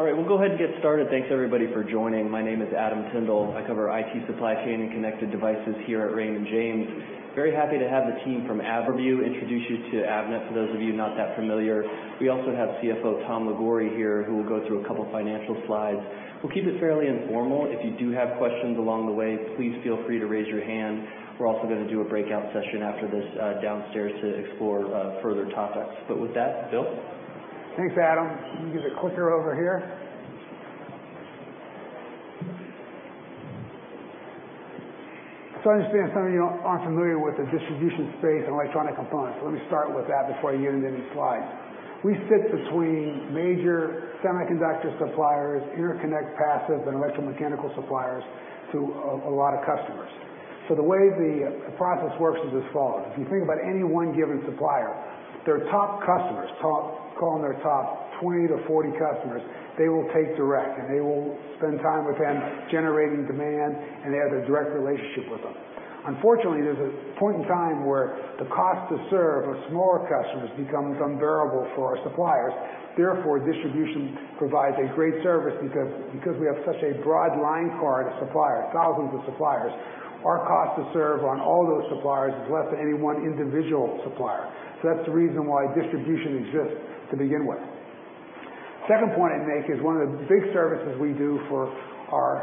All right, we'll go ahead and get started. Thanks everybody for joining. My name is Adam Tindle. I cover IT supply chain and connected devices here at Raymond James. Very happy to have the team from Avnet introduce you to Avnet, for those of you not that familiar. We also have CFO Tom Liguori here, who will go through a couple financial slides. We'll keep it fairly informal. If you do have questions along the way, please feel free to raise your hand. We're also going to do a breakout session after this downstairs to explore further topics. With that, Bill? Thanks, Adam. Let me get the clicker over here. I understand some of you aren't familiar with the distribution space and electronic components. Let me start with that before I get into any slides. We sit between major semiconductor suppliers, interconnect passive, and electromechanical suppliers to a lot of customers. The way the process works is as follows. If you think about any one given supplier, their top customers, call them their top 20 to 40 customers, they will take direct, and they will spend time with them generating demand, and they have a direct relationship with them. Unfortunately, there's a point in time where the cost to serve a smaller customer becomes unbearable for our suppliers. Therefore, distribution provides a great service because we have such a broad line card of suppliers, thousands of suppliers, our cost to serve on all those suppliers is less than any one individual supplier. That's the reason why distribution exists to begin with. Second point I'd make is one of the big services we do for our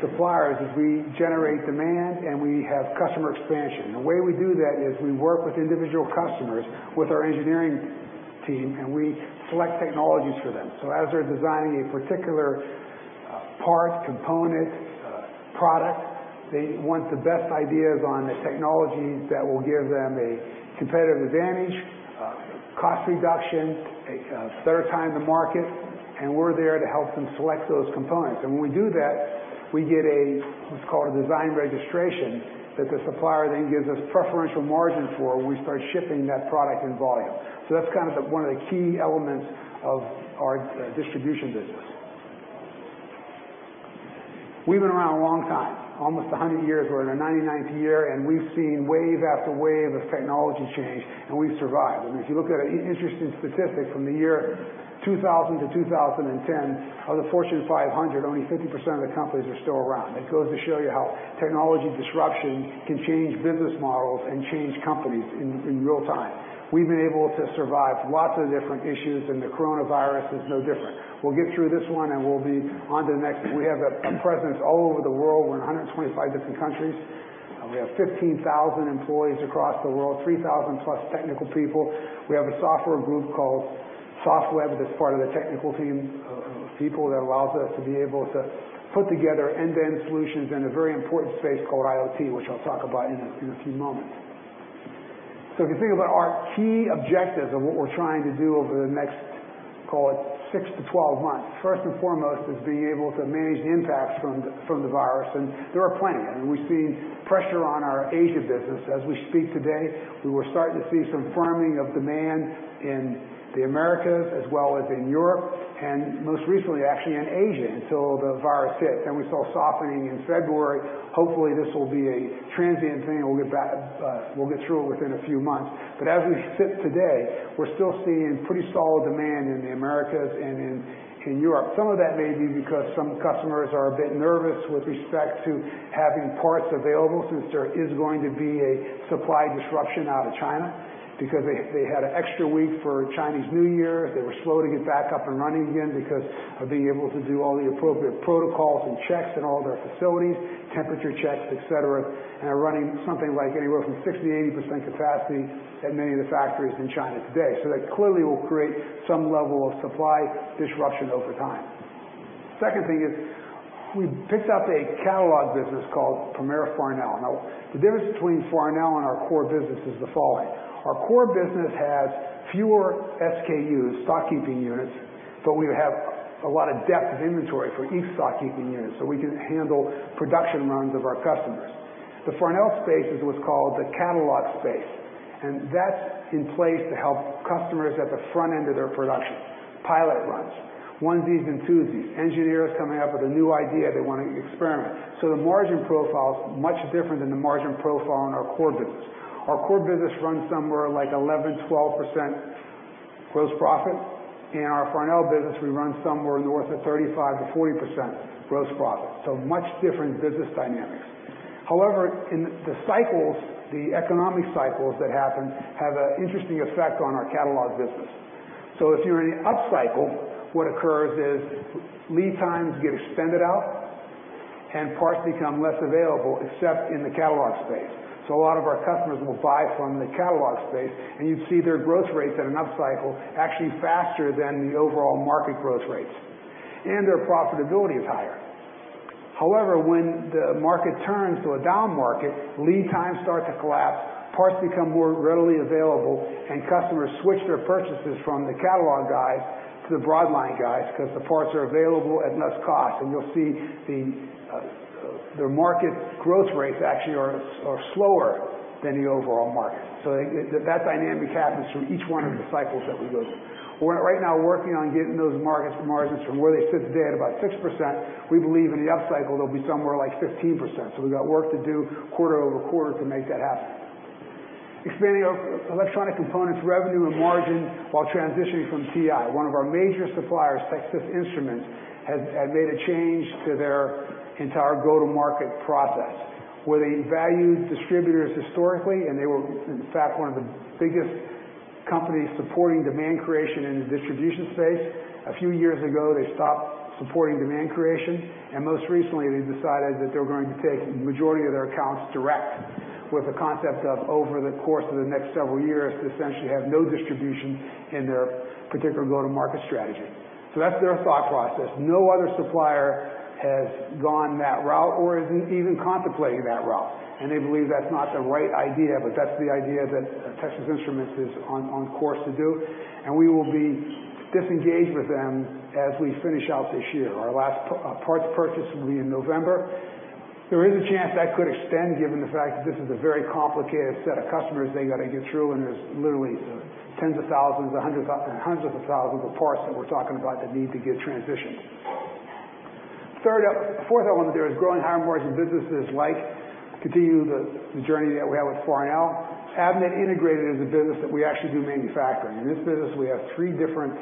suppliers is we generate demand, and we have customer expansion. The way we do that is we work with individual customers, with our engineering team, and we select technologies for them. As they're designing a particular part, component, product, they want the best ideas on the technologies that will give them a competitive advantage, cost reduction, a better time to market, and we're there to help them select those components. When we do that, we get a, what's called, a design registration that the supplier then gives us preferential margin for when we start shipping that product in volume. That's one of the key elements of our distribution business. We've been around a long time, almost 100 years. We're in our 99th year, and we've seen wave after wave of technology change, and we've survived. If you look at an interesting statistic from the year 2000 to 2010, of the Fortune 500, only 50% of the companies are still around. It goes to show you how technology disruption can change business models and change companies in real-time. We've been able to survive lots of different issues, and the coronavirus is no different. We'll get through this one, and we'll be on to the next. We have a presence all over the world. We're in 125 different countries. We have 15,000 employees across the world, 3,000-plus technical people. We have a software group called Softweb, that's part of the technical team of people that allows us to be able to put together end-to-end solutions in a very important space called IoT, which I'll talk about in a few moments. If you think about our key objectives of what we're trying to do over the next, call it 6-12 months, first and foremost is being able to manage the impacts from the virus, and there are plenty. We've seen pressure on our Asia business as we speak today. We were starting to see some firming of demand in the Americas as well as in Europe, and most recently, actually, in Asia until the virus hit. We saw softening in February. Hopefully, this will be a transient thing and we'll get through it within a few months. As we sit today, we're still seeing pretty solid demand in the Americas and in Europe. Some of that may be because some customers are a bit nervous with respect to having parts available since there is going to be a supply disruption out of China, because they had an extra week for Chinese New Year. They were slow to get back up and running again because of being able to do all the appropriate protocols and checks in all of their facilities, temperature checks, et cetera, and are running something like anywhere from 60%-80% capacity at many of the factories in China today. That clearly will create some level of supply disruption over time. Second thing is, we picked up a catalog business called Premier Farnell. The difference between Farnell and our core business is the following. Our core business has fewer SKUs, stock keeping units, but we have a lot of depth of inventory for each stock keeping unit, so we can handle production runs of our customers. The Farnell space is what's called the catalog space, and that's in place to help customers at the front end of their production. Pilot runs, onesies and twosies, engineers coming up with a new idea they want to experiment. The margin profile is much different than the margin profile in our core business. Our core business runs somewhere like 11%-12% gross profit. In our Farnell business, we run somewhere north of 35%-40% gross profit. Much different business dynamics. However, in the cycles, the economic cycles that happen have an interesting effect on our catalog business. If you're in an upcycle, what occurs is lead times get extended out and parts become less available except in the catalog space. A lot of our customers will buy from the catalog space, and you see their growth rates at an upcycle actually faster than the overall market growth rates. Their profitability is higher. However, when the market turns to a down market, lead times start to collapse, parts become more readily available, and customers switch their purchases from the catalog guys to the broad line guys because the parts are available at less cost. You'll see their market growth rates actually are slower than the overall market. That dynamic happens through each one of the cycles that we go through. We're right now working on getting those margins from where they sit today at about 6%. We believe in the upcycle, they'll be somewhere like 15%. We've got work to do quarter-over-quarter to make that happen. Expanding our electronic components revenue and margin while transitioning from TI. One of our major suppliers, Texas Instruments, had made a change to their entire go-to-market process, where they valued distributors historically. They were, in fact, one of the biggest companies supporting demand creation in the distribution space. A few years ago, they stopped supporting demand creation. Most recently, they decided that they were going to take the majority of their accounts direct, with the concept of over the course of the next several years, to essentially have no distribution in their particular go-to-market strategy. That's their thought process. No other supplier has gone that route or has even contemplated that route, and they believe that's not the right idea, but that's the idea that Texas Instruments is on course to do, and we will be disengaged with them as we finish out this year. Our last parts purchase will be in November. There is a chance that could extend, given the fact that this is a very complicated set of customers they got to get through, and there's literally tens of thousands and hundreds of thousands of parts that we're talking about that need to get transitioned. Fourth element there is growing high-margin businesses like continue the journey that we have with Farnell. Avnet Integrated is a business that we actually do manufacturing. In this business, we have three different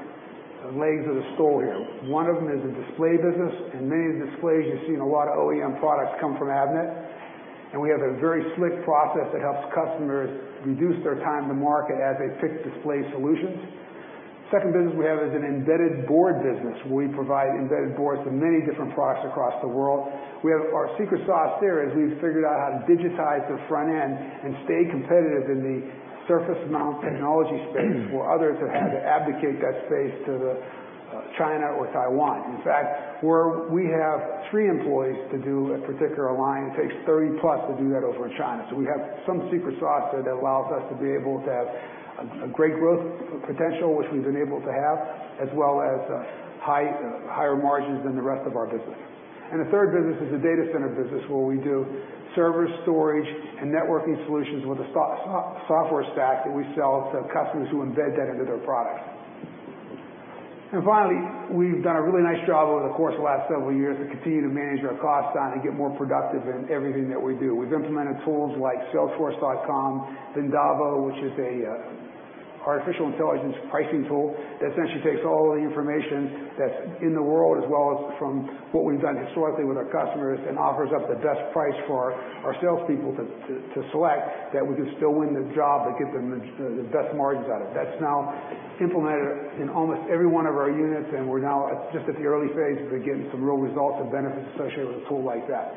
legs of the stool here. One of them is the display business, and many of the displays you see in a lot of OEM products come from Avnet, and we have a very slick process that helps customers reduce their time to market as they pick display solutions. Second business we have is an embedded board business, where we provide embedded boards for many different products across the world. Our secret sauce there is we've figured out how to digitize the front end and stay competitive in the surface mount technology space, where others have had to abdicate that space to China or Taiwan. In fact, where we have three employees to do a particular line, it takes 30-plus to do that over in China. We have some secret sauce there that allows us to be able to have a great growth potential, which we've been able to have, as well as higher margins than the rest of our business. The third business is the data center business, where we do server storage and networking solutions with a software stack that we sell to customers who embed that into their products. Finally, we've done a really nice job over the course of the last several years to continue to manage our costs down and get more productive in everything that we do. We've implemented tools like Salesforce.com, Vendavo, which is an artificial intelligence pricing tool that essentially takes all of the information that's in the world, as well as from what we've done historically with our customers, and offers up the best price for our salespeople to select that we can still win the job but get the best margins out of. That's now implemented in almost every one of our units, and we're now just at the early stages of getting some real results and benefits associated with a tool like that.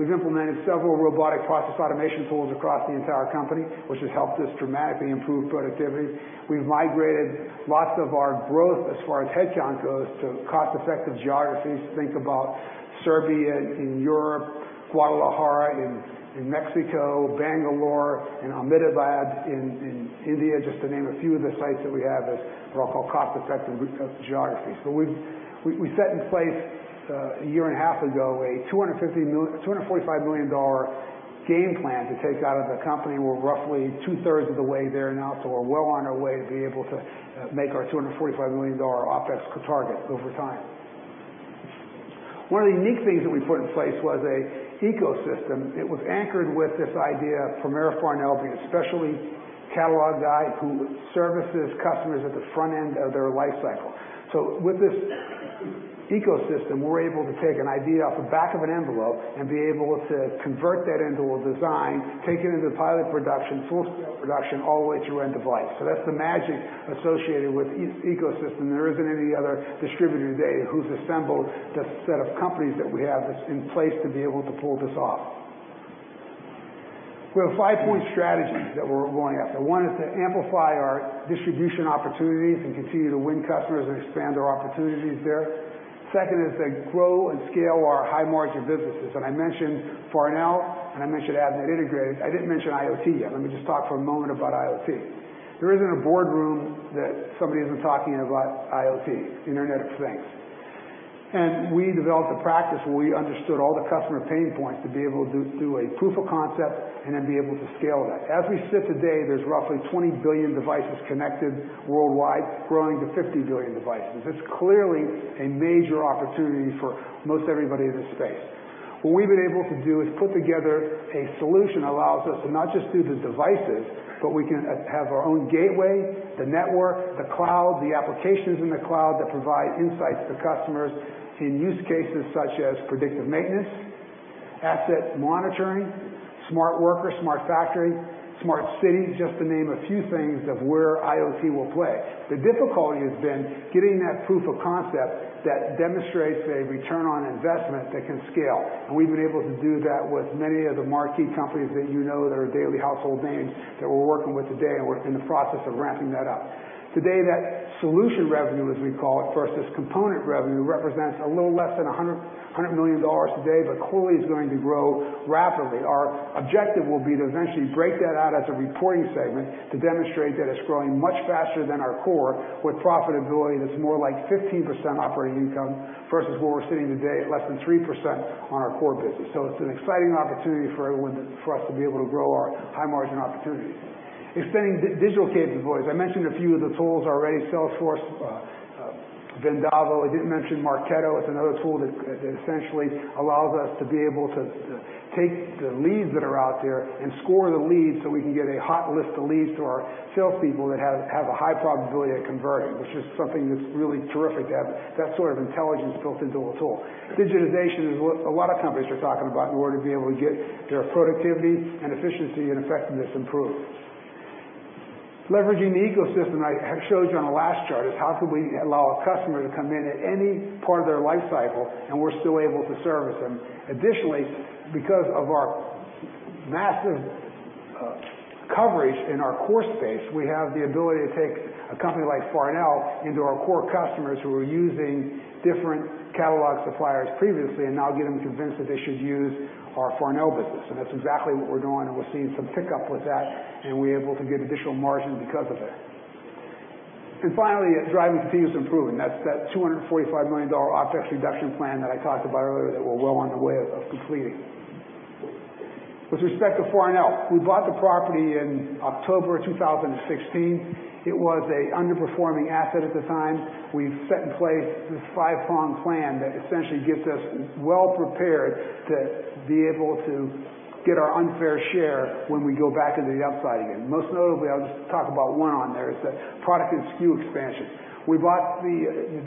We've implemented several robotic process automation tools across the entire company, which has helped us dramatically improve productivity. We've migrated lots of our growth, as far as headcount goes, to cost-effective geographies. Think about Serbia in Europe, Guadalajara in Mexico, Bangalore, and Ahmedabad in India, just to name a few of the sites that we have as what I'll call cost-effective geographies. We set in place, a year and a half ago, a $245 million game plan to take out of the company. We're roughly two-thirds of the way there now, we're well on our way to be able to make our $245 million OpEx target over time. One of the unique things that we put in place was a ecosystem. It was anchored with this idea from Premier Farnell, being a specialty catalog guy who services customers at the front end of their life cycle. With this ecosystem, we're able to take an idea off the back of an envelope and be able to convert that into a design, take it into pilot production, full scale production, all the way through end of life. That's the magic associated with ecosystem. There isn't any other distributor today who's assembled the set of companies that we have that's in place to be able to pull this off. We have a five-point strategy that we're going after. One is to amplify our distribution opportunities and continue to win customers and expand our opportunities there. Second is to grow and scale our high-margin businesses, and I mentioned Farnell, and I mentioned Avnet Integrated. I didn't mention IoT yet. Let me just talk for a moment about IoT. There isn't a boardroom that somebody isn't talking about IoT, Internet of Things. We developed a practice where we understood all the customer pain points to be able to do a proof of concept and then be able to scale that. As we sit today, there's roughly 20 billion devices connected worldwide, growing to 50 billion devices. It's clearly a major opportunity for most everybody in the space. What we've been able to do is put together a solution that allows us to not just do the devices, but we can have our own gateway, the network, the cloud, the applications in the cloud that provide insights to customers in use cases such as predictive maintenance, asset monitoring, smart worker, smart factory, smart cities, just to name a few things of where IoT will play. The difficulty has been getting that proof of concept that demonstrates a return on investment that can scale. We've been able to do that with many of the marquee companies that you know that are daily household names that we're working with today, and we're in the process of ramping that up. Today, that solution revenue, as we call it, versus component revenue, represents a little less than $100 million today, but clearly is going to grow rapidly. Our objective will be to eventually break that out as a reporting segment to demonstrate that it's growing much faster than our core, with profitability that's more like 15% operating income versus where we're sitting today at less than 3% on our core business. It's an exciting opportunity for us to be able to grow our high-margin opportunities. Expanding digital capabilities. I mentioned a few of the tools already, Salesforce, Vendavo. I didn't mention Marketo. It's another tool that essentially allows us to be able to take the leads that are out there and score the leads so we can get a hot list of leads to our salespeople that have a high probability of converting, which is something that's really terrific to have that sort of intelligence built into a tool. Digitization is what a lot of companies are talking about in order to be able to get their productivity and efficiency and effectiveness improved. Leveraging the ecosystem, I showed you on the last chart, is how can we allow a customer to come in at any part of their life cycle, and we're still able to service them. Additionally, because of our massive coverage in our core space, we have the ability to take a company like Farnell into our core customers who were using different catalog suppliers previously and now get them convinced that they should use our Farnell business. That's exactly what we're doing, and we're seeing some pickup with that, and we're able to get additional margin because of it. Finally, driving continuous improvement. That's that $245 million OpEx reduction plan that I talked about earlier that we're well on the way of completing. With respect to Farnell, we bought the property in October 2016. It was an underperforming asset at the time. We set in place this five-prong plan that essentially gets us well prepared to be able to get our unfair share when we go back into the upside again. Most notably, I'll just talk about one on there, is the product and SKU expansion. We bought the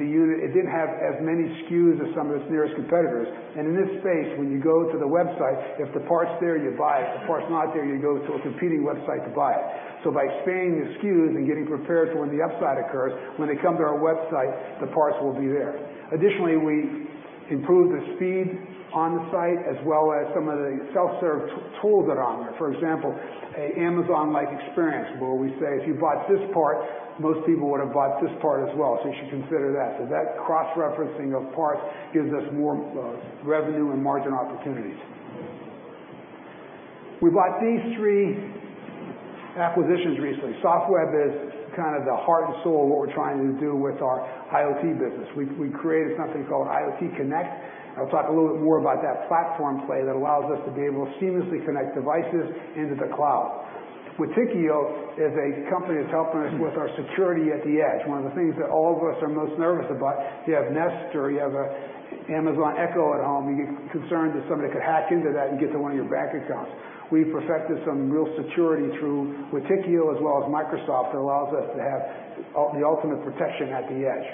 unit. It didn't have as many SKUs as some of its nearest competitors. In this space, when you go to the website, if the part's there, you buy it. If the part's not there, you go to a competing website to buy it. By expanding the SKUs and getting prepared for when the upside occurs, when they come to our website, the parts will be there. Additionally, we improved the speed on the site as well as some of the self-serve tools that are on there. For example, an Amazon-like experience where we say, "If you bought this part, most people would have bought this part as well, so you should consider that." That cross-referencing of parts gives us more revenue and margin opportunities. We bought these three acquisitions recently. Softweb is kind of the heart and soul of what we're trying to do with our IoT business. We created something called IoTConnect. I'll talk a little bit more about that platform play that allows us to be able to seamlessly connect devices into the cloud. Witekio is a company that's helping us with our security at the edge. One of the things that all of us are most nervous about, you have Nest or you have a Amazon Echo at home, you get concerned that somebody could hack into that and get to one of your bank accounts. We've perfected some real security through Witekio as well as Microsoft that allows us to have the ultimate protection at the edge.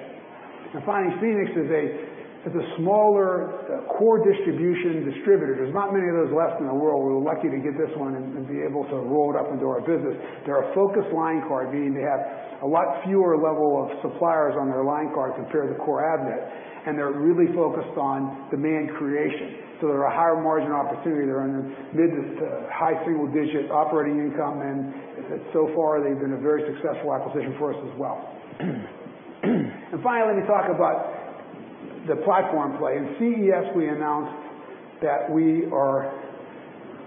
Finally, Phoenix is a smaller core distribution distributor. There's not many of those left in the world. We were lucky to get this one and be able to roll it up into our business. They're a focused line card, meaning they have a lot fewer level of suppliers on their line card compared to core Avnet, and they're really focused on demand creation. They're a higher margin opportunity. They're in the mid to high single-digit operating income, and so far, they've been a very successful acquisition for us as well. Finally, let me talk about the platform play. In CES, we announced that we are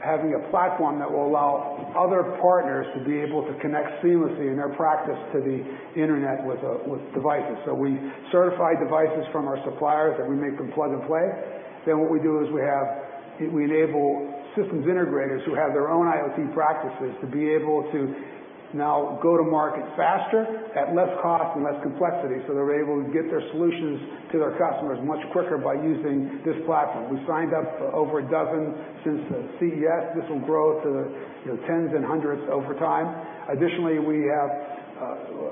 having a platform that will allow other partners to be able to connect seamlessly in their practice to the Internet with devices. We certify devices from our suppliers that we make them plug and play. What we do is we enable systems integrators who have their own IoT practices to be able to now go to market faster at less cost and less complexity, so they're able to get their solutions to their customers much quicker by using this platform. We signed up over dozen since CES. This will grow to tens and hundreds over time. We have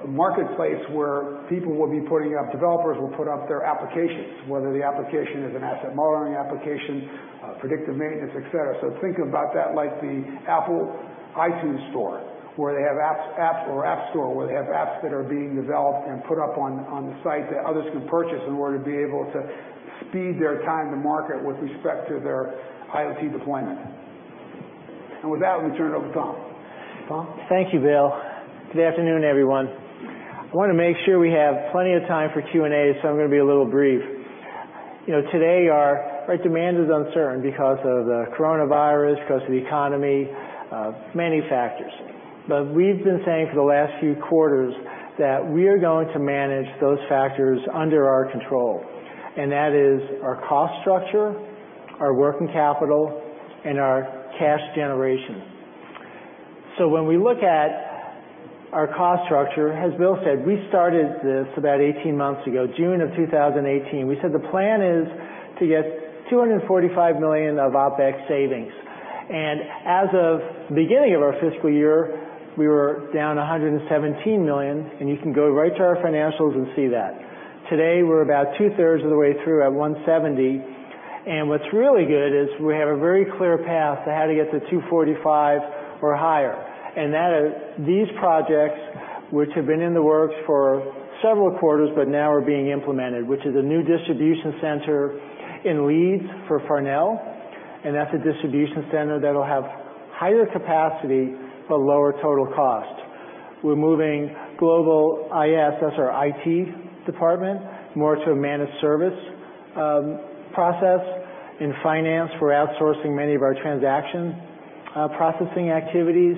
a marketplace where people will be putting up, developers will put up their applications, whether the application is an asset monitoring application, predictive maintenance, et cetera. Think about that like the Apple iTunes Store or App Store, where they have apps that are being developed and put up on the site that others can purchase in order to be able to speed their time to market with respect to their IoT deployment. With that, let me turn it over to Tom. Well, thank you, Bill. Good afternoon, everyone. I want to make sure we have plenty of time for Q&A, so I'm going to be a little brief. Today, our demand is uncertain because of the coronavirus, because of the economy, many factors. We've been saying for the last few quarters that we are going to manage those factors under our control, and that is our cost structure, our working capital, and our cash generation. When we look at our cost structure, as Bill said, we started this about 18 months ago, June of 2018. We said the plan is to get $245 million of OpEx savings. As of the beginning of our fiscal year, we were down $117 million, and you can go right to our financials and see that. Today, we're about two-thirds of the way through at 170. What's really good is we have a very clear path to how to get to 245 or higher. These projects, which have been in the works for several quarters, but now are being implemented, which is a new distribution center in Leeds for Farnell, and that's a distribution center that'll have higher capacity, but lower total cost. We're moving global IS, that's our IT department, more to a managed service process. In finance, we're outsourcing many of our transaction processing activities.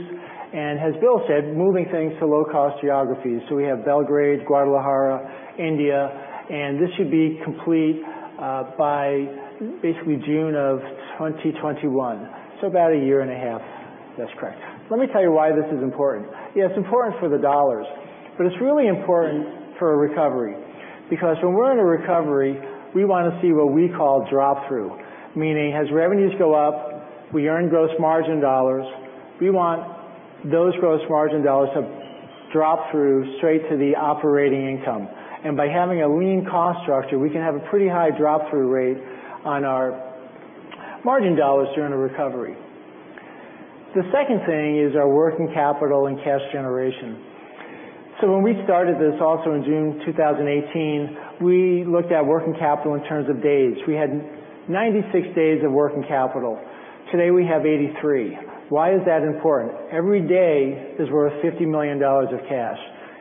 As Bill said, moving things to low-cost geographies. We have Belgrade, Guadalajara, India, and this should be complete by basically June of 2021, so about a year and a half. That's correct. Let me tell you why this is important. Yeah, it's important for the dollars, but it's really important for a recovery, because when we're in a recovery, we want to see what we call drop-through, meaning as revenues go up, we earn gross margin dollars. We want those gross margin dollars to drop-through straight to the operating income. By having a lean cost structure, we can have a pretty high drop-through rate on our margin dollars during a recovery. The second thing is our working capital and cash generation. When we started this also in June 2018, we looked at working capital in terms of days. We had 96 days of working capital. Today, we have 83. Why is that important? Every day is worth $50 million of cash,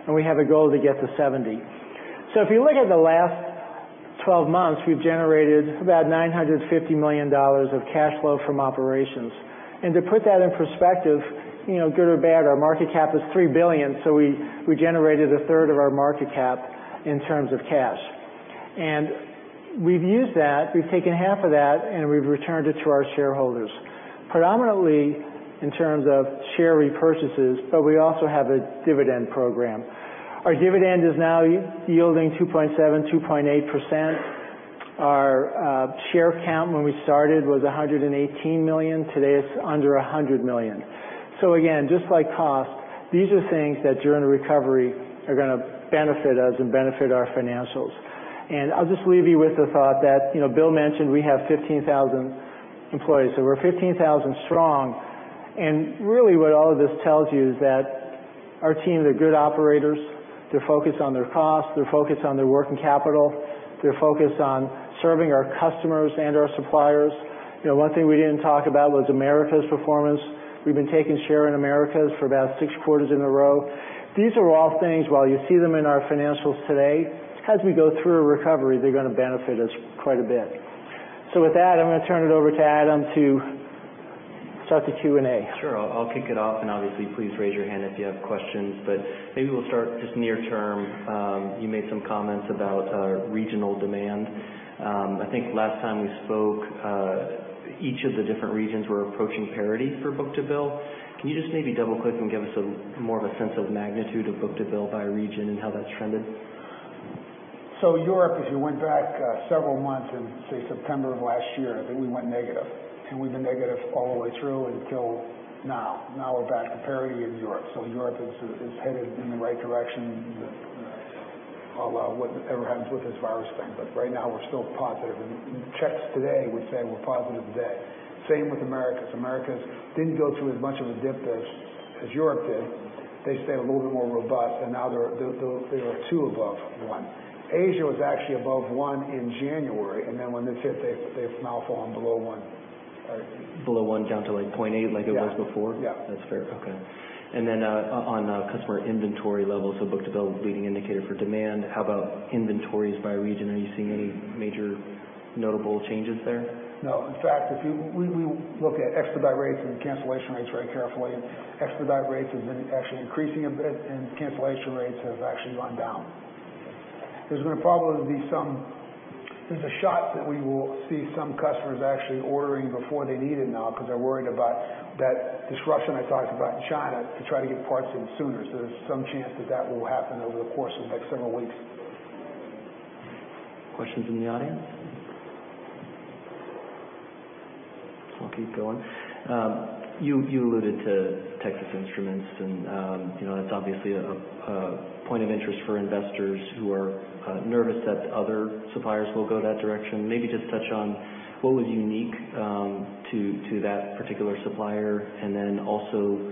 and we have a goal to get to 70. If you look at the last 12 months, we've generated about $950 million of cash flow from operations. To put that in perspective, good or bad, our market cap is $3 billion, we generated a third of our market cap in terms of cash. We've used that, we've taken half of that, and we've returned it to our shareholders, predominantly in terms of share repurchases, but we also have a dividend program. Our dividend is now yielding 2.7%, 2.8%. Our share count when we started was 118 million. Today, it's under 100 million. Again, just like cost, these are things that during a recovery are going to benefit us and benefit our financials. I'll just leave you with the thought that Bill mentioned we have 15,000 employees. We're 15,000 strong, and really what all of this tells you is that our team, they're good operators. They're focused on their cost. They're focused on their working capital. They're focused on serving our customers and our suppliers. One thing we didn't talk about was Americas performance. We've been taking share in Americas for about six quarters in a row. These are all things, while you see them in our financials today, as we go through a recovery, they're going to benefit us quite a bit. With that, I'm going to turn it over to Adam to start the Q&A. Sure. I'll kick it off, and obviously please raise your hand if you have questions. Maybe we'll start just near term. You made some comments about regional demand. I think last time we spoke, each of the different regions were approaching parity for book-to-bill. Can you just maybe double-click and give us more of a sense of magnitude of book-to-bill by region and how that's trended? Europe, if you went back several months in, say, September of last year, I think we went negative, and we've been negative all the way through until now. We're back to parity in Europe. Europe is headed in the right direction, although, whatever happens with this virus thing. Right now, we're still positive, and checks today would say we're positive today. Same with Americas. Americas didn't go through as much of a dip as Europe did. They stayed a little bit more robust, and now they're two above one. Asia was actually above one in January, and then when this hit, they've now fallen below one. Below one, down to 0.8 like it was before? Yeah. That's fair. Okay. On customer inventory levels, book-to-bill, leading indicator for demand, how about inventories by region? Are you seeing any major notable changes there? No. In fact, we look at expedite rates and cancellation rates very carefully, and expedite rates has been actually increasing a bit, and cancellation rates have actually gone down. There's a shot that we will see some customers actually ordering before they need it now because they're worried about that disruption I talked about in China to try to get parts in sooner. There's some chance that that will happen over the course of the next several weeks. Questions from the audience? I'll keep going. You alluded to Texas Instruments, and that's obviously a point of interest for investors who are nervous that other suppliers will go that direction. Maybe just touch on what was unique to that particular supplier, and then also,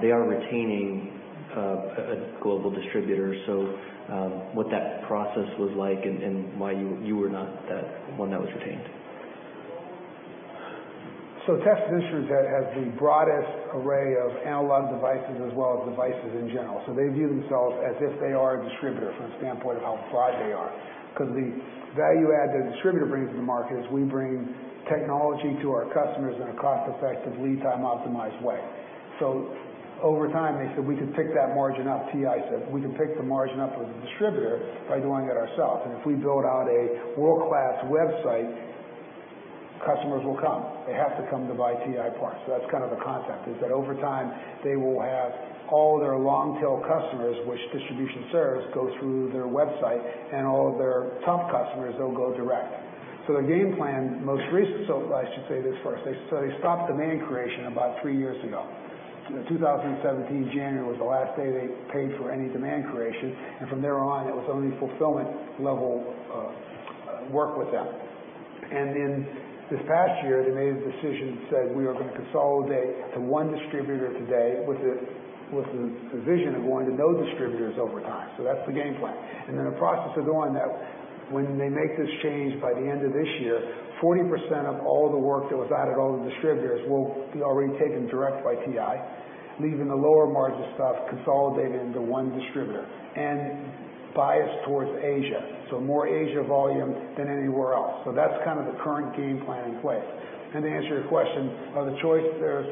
they are retaining a global distributor, so what that process was like and why you were not the one that was retained. Texas Instruments has the broadest array of analog devices as well as devices in general. They view themselves as if they are a distributor from the standpoint of how broad they are. The value add the distributor brings to the market is we bring technology to our customers in a cost-effective, lead time optimized way. Over time, they said, "We can pick that margin up," TI said, "We can pick the margin up with the distributor by doing it ourselves, and if we build out a world-class website, customers will come. They have to come to buy TI parts." That's kind of the concept is that over time, they will have all their long-tail customers, which distribution serves, go through their website, and all of their top customers, they'll go direct. Their game plan, most recent, I should say this first. They stopped demand creation about three years ago. In 2017, January was the last day they paid for any demand creation, and from there on, it was only fulfillment level work with them. In this past year, they made a decision and said, "We are going to consolidate to one distributor today with the vision of going to no distributors over time." That's the game plan. The process of doing that, when they make this change by the end of this year, 40% of all the work that was added, all the distributors will be already taken direct by TI, leaving the lower margin stuff consolidated into one distributor, and biased towards Asia. More Asia volume than anywhere else. That's kind of the current game plan in place. To answer your question, the choice there is,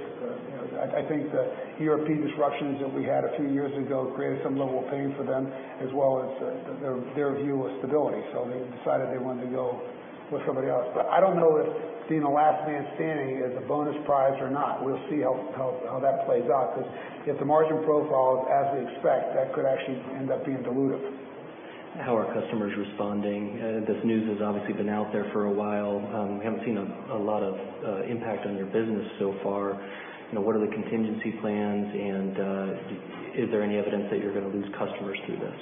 I think the European disruptions that we had a few years ago created some level of pain for them, as well as their view of stability. They decided they wanted to go with somebody else. I don't know that being the last man standing is a bonus prize or not, we'll see how that plays out, because if the margin profile is as we expect, that could actually end up being dilutive. How are customers responding? This news has obviously been out there for a while. We haven't seen a lot of impact on your business so far. What are the contingency plans, and is there any evidence that you're going to lose customers through this?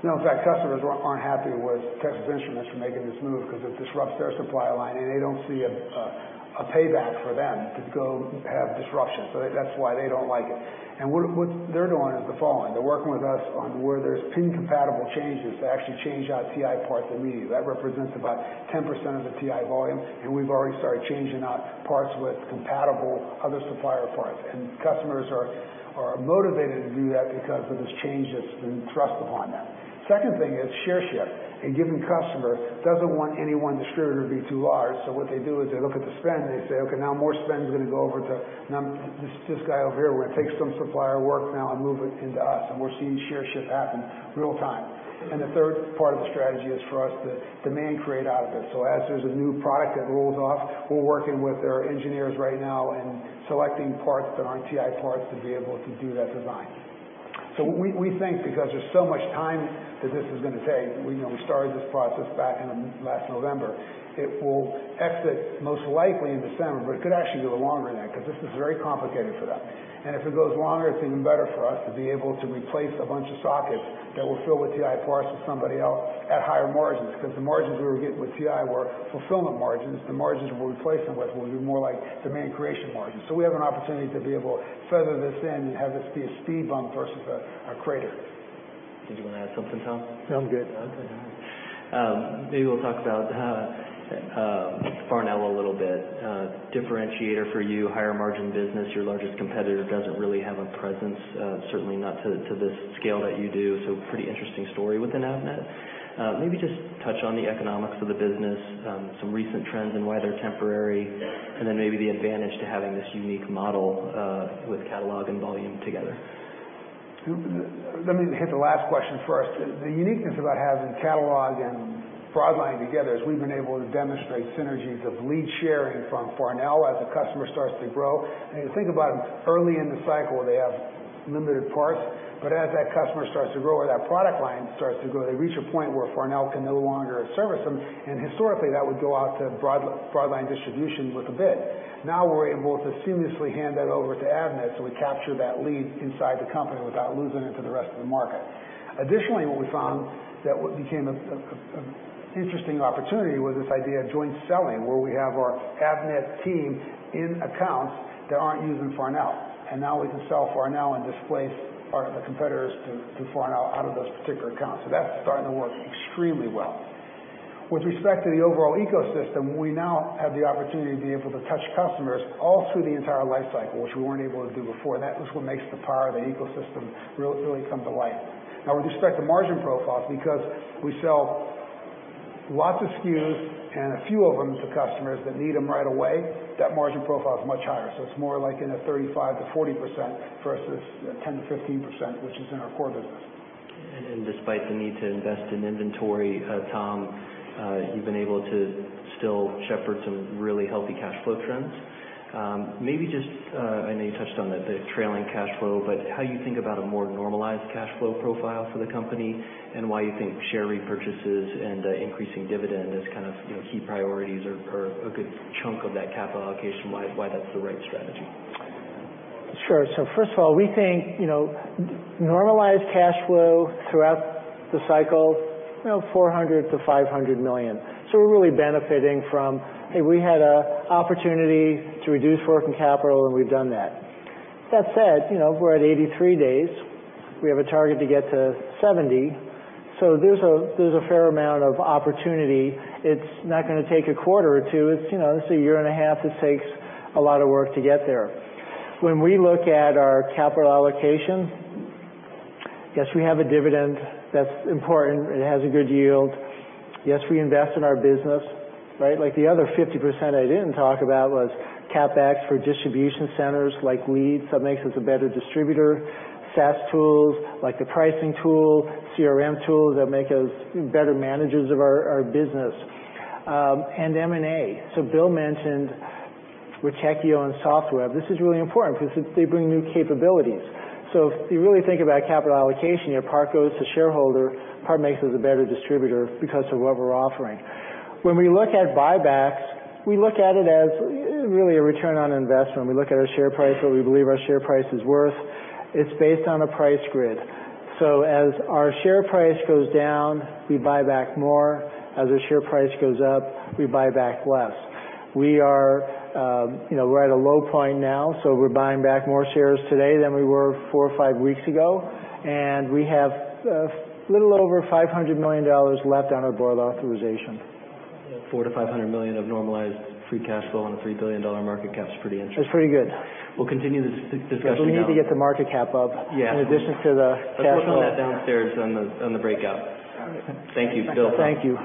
No. In fact, customers aren't happy with Texas Instruments for making this move because it disrupts their supply line, and they don't see a payback for them to go have disruption. That's why they don't like it. What they're doing is the following: They're working with us on where there's pin-compatible changes to actually change out TI parts immediately. That represents about 10% of the TI volume, and we've already started changing out parts with compatible other supplier parts. Customers are motivated to do that because of this change that's been thrust upon them. Second thing is share shift. A given customer doesn't want any one distributor to be too large, so what they do is they look at the spend and they say, "Okay, now more spend is going to go over to this guy over here. We're going to take some supplier work now and move it into us. We're seeing share shift happen real time. The third part of the strategy is for us to demand create out of this. As there's a new product that rolls off, we're working with our engineers right now and selecting parts that aren't TI parts to be able to do that design. We think because there's so much time that this is going to take, we started this process back in last November, it will exit most likely in December, but it could actually go longer than that, because this is very complicated for them. If it goes longer, it's even better for us to be able to replace a bunch of sockets that we'll fill with TI parts with somebody else at higher margins, because the margins we were getting with TI were fulfillment margins. The margins we'll replace them with will be more like demand creation margins. We have an opportunity to be able to further this in and have this be a speed bump versus a crater. Did you want to add something, Tom? No, I'm good. Okay. Maybe we'll talk about Farnell a little bit. A differentiator for you, higher margin business, your largest competitor doesn't really have a presence, certainly not to this scale that you do. Pretty interesting story within Avnet. Maybe just touch on the economics of the business, some recent trends and why they're temporary, and then maybe the advantage to having this unique model with catalog and volume together. Let me hit the last question first. The uniqueness about having catalog and broadline together is we've been able to demonstrate synergies of lead sharing from Farnell as a customer starts to grow. If you think about it, early in the cycle, they have limited parts. As that customer starts to grow or that product line starts to grow, they reach a point where Farnell can no longer service them, and historically, that would go out to broadline distribution with a bid. Now we're able to seamlessly hand that over to Avnet, so we capture that lead inside the company without losing it to the rest of the market. Additionally, what we found that became an interesting opportunity was this idea of joint selling, where we have our Avnet team in accounts that aren't using Farnell. Now we can sell Farnell and displace the competitors to Farnell out of those particular accounts. That's starting to work extremely well. With respect to the overall ecosystem, we now have the opportunity to be able to touch customers all through the entire life cycle, which we weren't able to do before. That was what makes the power of the ecosystem really come to life. Now, with respect to margin profiles, because we sell lots of SKUs and a few of them to customers that need them right away, that margin profile is much higher. It's more like in a 35%-40% versus 10%-15%, which is in our core business. Despite the need to invest in inventory, Tom, you've been able to still shepherd some really healthy cash flow trends. I know you touched on the trailing cash flow, but how you think about a more normalized cash flow profile for the company and why you think share repurchases and increasing dividend as key priorities or a good chunk of that capital allocation, why that's the right strategy. Sure. First of all, we think normalized cash flow throughout the cycle, $400 million-$500 million. We're really benefiting from, hey, we had an opportunity to reduce working capital, and we've done that. That said, we're at 83 days. We have a target to get to 70. There's a fair amount of opportunity. It's not going to take a quarter or two. It's a year and a half. This takes a lot of work to get there. When we look at our capital allocation, yes, we have a dividend that's important. It has a good yield. Yes, we invest in our business. The other 50% I didn't talk about was CapEx for distribution centers like Leeds. It makes us a better distributor. SaaS tools, like the pricing tool, CRM tools that make us better managers of our business. M&A. Bill mentioned Witekio and Softweb. This is really important because they bring new capabilities. If you really think about capital allocation, part goes to shareholder, part makes us a better distributor because of what we're offering. When we look at buybacks, we look at it as really a return on investment. We look at our share price, what we believe our share price is worth. It's based on a price grid. As our share price goes down, we buy back more. As our share price goes up, we buy back less. We're at a low point now, so we're buying back more shares today than we were four or five weeks ago, and we have a little over $500 million left on our board authorization. $4 million-$500 million of normalized free cash flow on a $3 billion market cap is pretty interesting. It's pretty good. We'll continue this discussion now. We need to get the market cap up. Yeah In addition to the cash flow. Let's work on that downstairs on the breakout. Thank you, Bill. Thank you.